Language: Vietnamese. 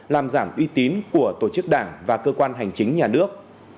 làm giảm uy tín của tổ chức đảng và cơ quan hành chính nhà nước